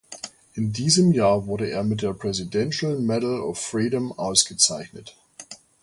In diesem Jahr wurde er mit der Presidential Medal of Freedom ausgezeichnet.